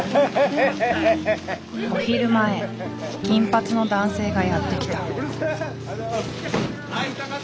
お昼前金髪の男性がやって来た。